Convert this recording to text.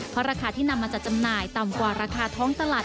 เพราะราคาที่นำมาจัดจำหน่ายต่ำกว่าราคาท้องตลาด